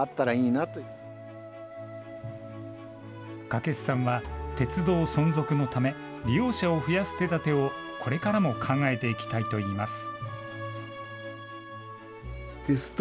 掛須さんは鉄道存続のため利用者を増やす手だてをこれからも考えていきたいといいます。